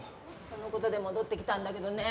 その事で戻ってきたんだけどね